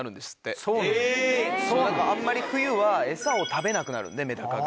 あんまり冬はエサを食べなくなるんでメダカが。